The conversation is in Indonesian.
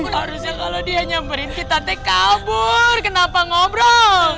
harusnya kalau dia nyamperin kita teh kabur kenapa ngobrol